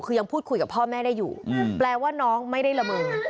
คือยังพูดคุยกับพ่อแม่ได้อยู่แปลว่าน้องไม่ได้ละเมอ